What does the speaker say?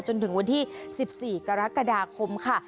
จนถึงวันที่๑๔กรกฎาคมค่ะ